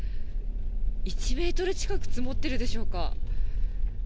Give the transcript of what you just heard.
１メートル近く積もってるでしょうか。